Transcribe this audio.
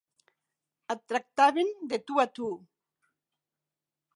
Et tractaven de tu a tu.